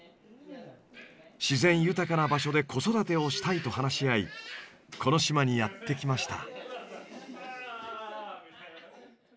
自然豊かな場所で子育てをしたいと話し合いこの島にやって来ました。